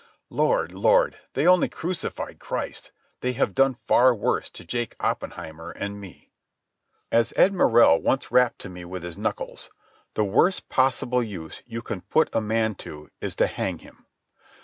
Lord, Lord, they only crucified Christ. They have done far worse to Jake Oppenheimer and me. ... As Ed Morrell once rapped to me with his knuckles: "The worst possible use you can put a man to is to hang him."